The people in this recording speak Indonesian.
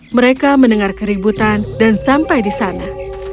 tidak ada keributan dan sampai di sana